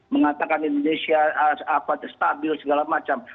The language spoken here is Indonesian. mengatakan indonesia stabil segala macam